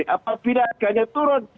apabila harganya turun